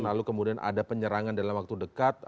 lalu kemudian ada penyerangan dalam waktu dekat